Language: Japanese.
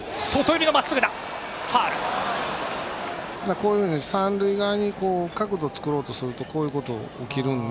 こういうふうに三塁側に角度作ろうとすると、こうなるので。